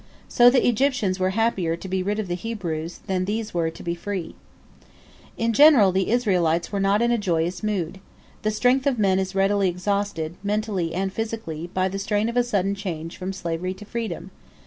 So the Egyptians were happier to be rid of the Hebrews than these were to be free. In general, the Israelites were not in a joyous mood. The strength of men is readily exhausted, mentally and physically, by the strain of a sudden change from slavery to freedom.